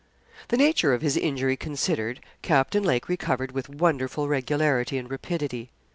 The nature of his injury considered, Captain Lake recovered with wonderful regularity and rapidity.